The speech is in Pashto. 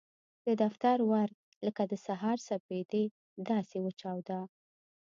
د دفتر ور لکه د سهار سپېدې داسې وچاوده.